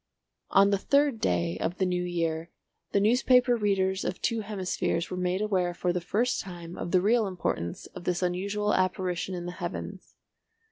On the third day of the new year the newspaper readers of two hemispheres were made aware for the first time of the real importance of this unusual apparition in the heavens.